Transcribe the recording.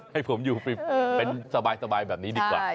ให้ผมอยู่เป็นสบายแบบนี้ดีกว่า